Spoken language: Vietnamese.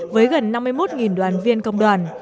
với gần năm mươi một đoàn viên công đoàn